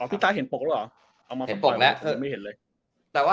พี่ตายเห็นปกหรือเอามามันไปไม่เห็นเลย